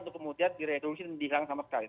untuk kemudian direduksi dan dihilangkan sama sekali